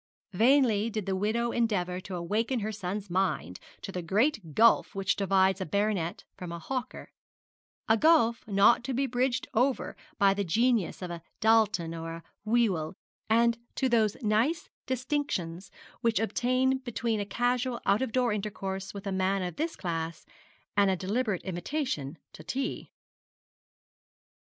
Vainly did the widow endeavour to awaken her son's mind to the great gulf which divides a baronet from a hawker a gulf not to be bridged over by the genius of a Dalton or a Whewell and to those nice distinctions which obtain between a casual out of door intercourse with a man of this class, and a deliberate invitation to tea.